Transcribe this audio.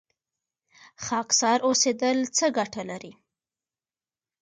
خاکسار اوسیدل څه ګټه لري؟